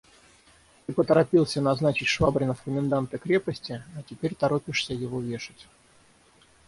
– Ты поторопился назначить Швабрина в коменданты крепости, а теперь торопишься его вешать.